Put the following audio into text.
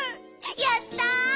やった！